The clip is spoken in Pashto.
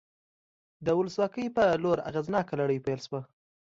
د ولسواکۍ په لور اغېزناکه لړۍ پیل شوه.